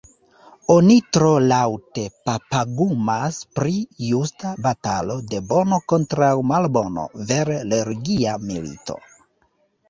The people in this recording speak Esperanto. Oni tro laŭte papagumas pri justa batalo de Bono kontraŭ Malbono, vere religia milito.